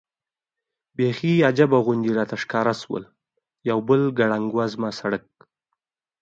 بېخي عجیبه غوندې راته ښکاره شول، یو بل ګړنګ وزمه سړک.